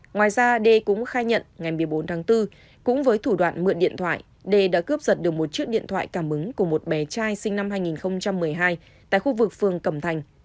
ngoài ra đê cũng khai nhận ngày một mươi bốn tháng bốn cũng với thủ đoạn mượn điện thoại đê đã cướp giật được một chiếc điện thoại cảm ứng của một bé trai sinh năm hai nghìn một mươi hai tại khu vực phường cẩm thành